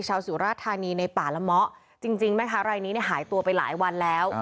ชาวสิวราชธานีในป่าละมะจริงแม่ค้ารายนี้หายตัวไปหลายวันแล้ว